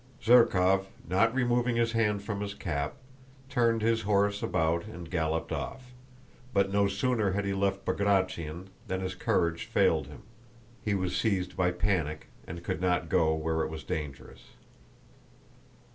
Zherkóv, not removing his hand from his cap, turned his horse about and galloped off. But no sooner had he left Bagratión than his courage failed him. He was seized by panic and could not go where it was dangerous.